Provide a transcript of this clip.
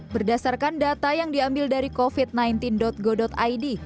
berdasarkan data yang diambil dari covid sembilan belas go id